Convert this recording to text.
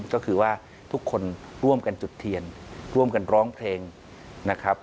ก็คือว่าทุกคนร่วมกันจุดเทียนร่วมกันร้องเพลงนะครับ